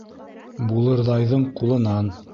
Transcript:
Булырҙайҙың ҡулынан